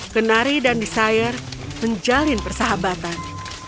kenari dan desire menjalin persahabatan